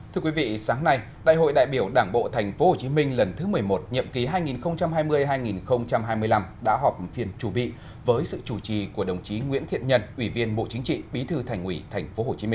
thưa quý vị sáng nay đại hội đại biểu đảng bộ tp hcm lần thứ một mươi một nhậm ký hai nghìn hai mươi hai nghìn hai mươi năm đã họp phiên chủ bị với sự chủ trì của đồng chí nguyễn thiện nhân ủy viên bộ chính trị bí thư thành ủy tp hcm